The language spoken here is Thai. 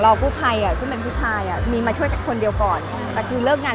อเรนนี่อันนี้ฉีกหนักมากเลย